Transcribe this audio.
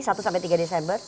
satu sampai tiga desember